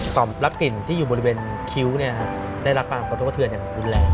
ต่อมรับกลิ่นที่อยู่บริเวณคิ้วเนี่ยได้รับปรากฏกระเทือนอย่างอุ่นแรง